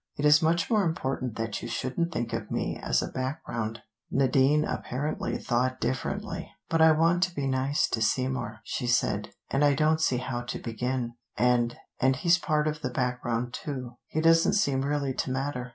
It is much more important that you shouldn't think of me as a background." Nadine apparently thought differently. "But I want to be nice to Seymour," she said, "and I don't see how to begin. And and he's part of the background, too. He doesn't seem really to matter.